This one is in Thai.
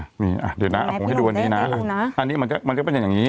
อ่ะมีอ่ะเดี๋ยวนะผมให้ดูอันนี้นะอ่ะอันนี้มันจะมันจะเป็นอย่างงี้